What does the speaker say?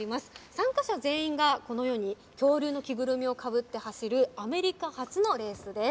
参加者全員がこのように恐竜の着ぐるみをかぶって走るアメリカ発のレースです。